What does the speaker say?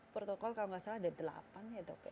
protokol kalau tidak salah ada delapan ya dok